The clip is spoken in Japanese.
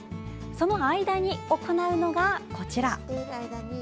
その間に行うのがこちら。